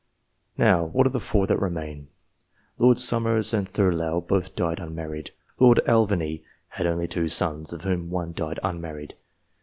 Now, what of the four that remain ? Lords Somers and Thurlow both died unmarried. Lord Alvanley had only two sons, of whom one died unmarried.